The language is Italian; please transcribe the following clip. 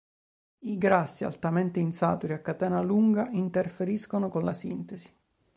I grassi altamente insaturi a catena lunga interferiscono con la sintesi.